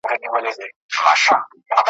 ته به ښايی د ښکلا ټوټې پیدا کړې ,